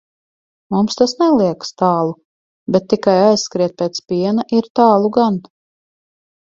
Mums tas neliekas tālu, bet tikai aizskriet pēc piena ir tālu gan.